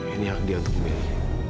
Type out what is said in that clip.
ini hak dia untuk memilih